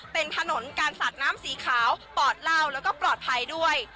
เป็นถนนการสาดน้ำสีขาวปอดเหล้าแล้วก็ปลอดภัยด้วย